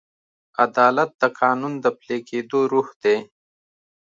عدالت د قانون د پلي کېدو روح دی.